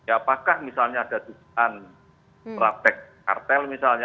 apakah misalnya ada dugaan praktek kartel misalnya